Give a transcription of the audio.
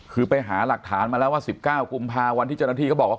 คือไปหาหลักฐานมาแล้วว่า๑๙กุมภาวันที่เจ้าหน้าที่เขาบอกว่า